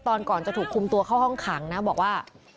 ก่อนจะถูกคุมตัวเข้าห้องขังนะบอกว่า